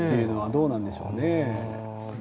どうなんでしょう。